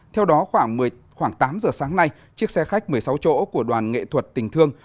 theo đó khoảng tám giờ sáng nay chiếc xe khách một mươi sáu chỗ của đoàn nghệ thuật tình thương